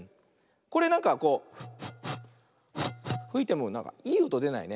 これなんかこうふいてもなんかいいおとでないね。